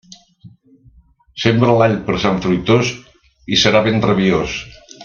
Sembre l'all per Sant Fruitós i serà ben rabiós.